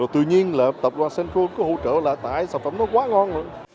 tự nhiên tập đoàn center group cứ hỗ trợ lại tại sản phẩm nó quá ngon